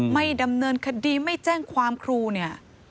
ไม่ดำเนินคดีไม่แจ้งความครูเนี่ย